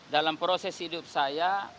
dalam proses hidup saya